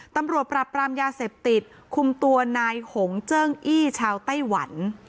ตำรวจปราบปรามยาเสพติดคุมตัวนายหงเจิ้งอี้ชาวไต้หวัน